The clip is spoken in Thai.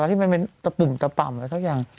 ที่มันเป็นตะปุ่มตะป่ำหรือเท่ายัง